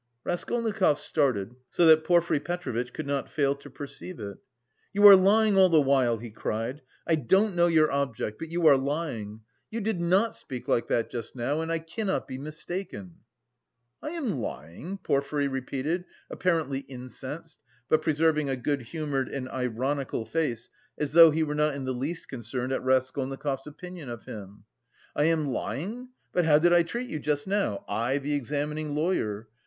Raskolnikov started so that Porfiry Petrovitch could not fail to perceive it. "You are lying all the while," he cried, "I don't know your object, but you are lying. You did not speak like that just now and I cannot be mistaken!" "I am lying?" Porfiry repeated, apparently incensed, but preserving a good humoured and ironical face, as though he were not in the least concerned at Raskolnikov's opinion of him. "I am lying... but how did I treat you just now, I, the examining lawyer?